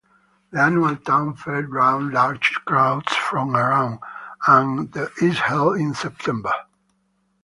The annual town fair draws large crowds from around, and is held in September.